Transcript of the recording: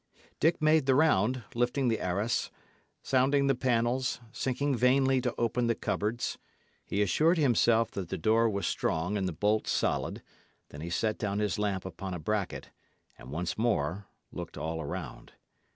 Dick made the round, lifting the arras, sounding the panels, seeking vainly to open the cupboards. He assured himself that the door was strong and the bolt solid; then he set down his lamp upon a bracket, and once more looked all around.